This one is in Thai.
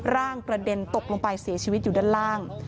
ร่างกระเด็นตกลงไปเสียชีวิตอยู่ด้านล่าง